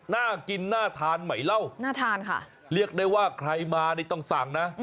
น่ากินน่าทานไหมเล่าเรียกได้ว่าใครมาต้องสั่งนะ